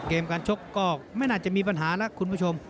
เกมการชกก็ไม่น่าจะมีปัญหาแล้วคุณผู้ชม